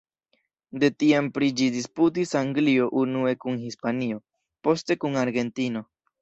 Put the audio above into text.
De tiam pri ĝi disputis Anglio unue kun Hispanio, poste kun Argentino.